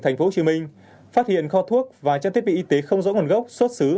tp hcm phát hiện kho thuốc và trang thiết bị y tế không rõ nguồn gốc xuất xứ